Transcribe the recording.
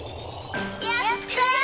やった！